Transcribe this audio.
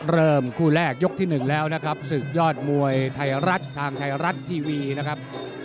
เริ่มคู่แรกยกที่๑แล้วนะครับศึกยอดมวยไทยรัฐทางไทยรัฐทีวีนะครับ